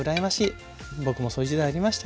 僕もそういう時代ありましたよ。